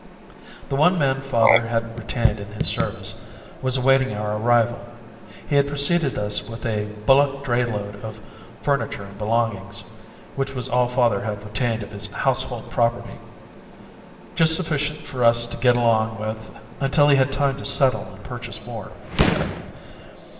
The one man father had retained in his service was awaiting our arrival. He had preceded us with a bullock drayload of furniture and belongings, which was all father had retained of his household property. Just sufficient for us to get along with, until he had time to settle and purchase more, he said.